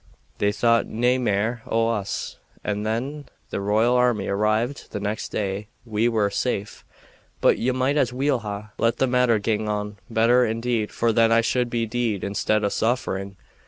They thought nae mair o' us, and when the royal army arrived the next day we were safe; but ye might as weel ha' let the matter gang on better, indeed, for then I should be deed instead o' suffering.